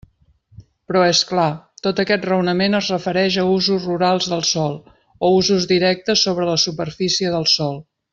Però, és clar, tot aquest raonament es refereix a usos rurals del sòl o usos directes sobre la superfície del sòl.